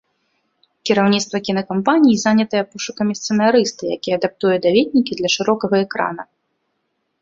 Кіраўніцтва кінакампаніі занятае пошукам сцэнарыста, які адаптуе даведнікі для шырокага экрана.